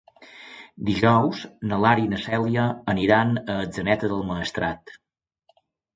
Dijous na Lara i na Cèlia aniran a Atzeneta del Maestrat.